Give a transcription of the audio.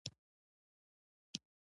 فوسټر غوندې کسان ډېر لږ وو.